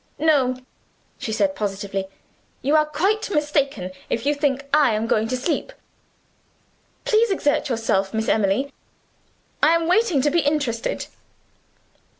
"No," she said positively; "you are quite mistaken if you think I am going to sleep. Please exert yourself, Miss Emily I am waiting to be interested."